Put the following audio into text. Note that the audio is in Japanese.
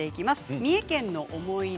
三重県の思い出